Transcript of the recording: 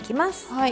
はい。